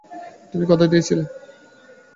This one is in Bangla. তুমি কথা দিয়েছিলে।